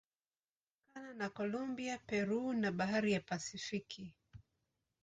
Imepakana na Kolombia, Peru na Bahari ya Pasifiki.